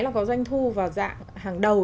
nó có doanh thu vào dạng hàng đầu